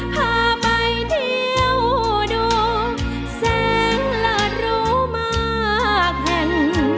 พาไปเที่ยวดูแสงเลิศรู้มากแผ่น